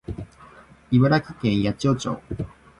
茨城県八千代町